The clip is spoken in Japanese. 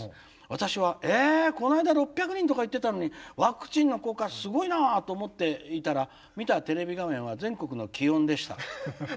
私は『え！こないだ６００人とか言ってたのにワクチンの効果すごいなあ』と思っていたら見たテレビ画面は全国の気温でした」。